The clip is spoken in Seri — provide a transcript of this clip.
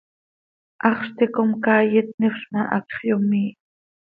Haxz ticom caay itnifz ma, hacx yomiih.